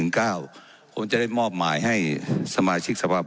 ผมจะได้มอบหมายให้สมาชิกสภาพ